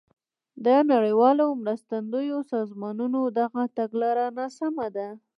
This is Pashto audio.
د نړیوالو مرستندویو سازمانونو دغه تګلاره ناسمه ده.